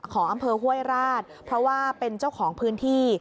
ของอำเภอห้วยราชเพราะว่าเป็นเจ้าของพื้นที่